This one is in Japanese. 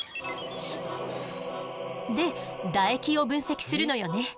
で唾液を分析するのよね。